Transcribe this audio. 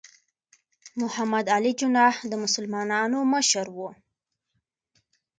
محمد علي جناح د مسلمانانو مشر و.